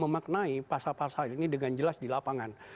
memaknai pasal pasal ini dengan jelas di lapangan